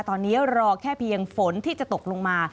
ตอนนี้รอแค่เพียงฝนที่จะตกลงมา